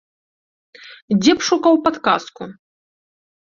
Дзе б шукаў падказку?